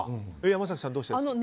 山崎さん、どうしてですか？